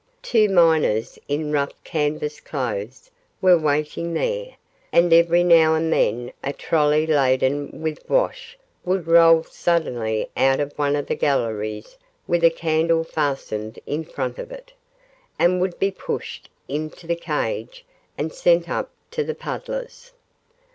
Two miners in rough canvas clothes were waiting here, and every now and then a trolly laden with wash would roll suddenly out of one of the galleries with a candle fastened in front of it, and would be pushed into the cage and sent up to the puddlers.